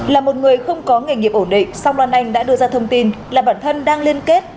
là một người không có nghề nghiệp ổn định song loan anh đã đưa ra thông tin là bản thân đang liên kết